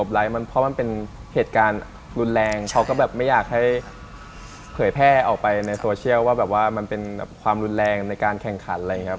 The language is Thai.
เพราะมันเป็นเหตุการณ์รุนแรงเขาก็แบบไม่อยากให้เผยแพร่ออกไปในโซเชียลว่าแบบว่ามันเป็นความรุนแรงในการแข่งขันอะไรอย่างนี้ครับ